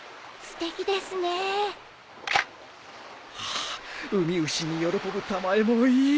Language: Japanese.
あウミウシに喜ぶたまえもいい。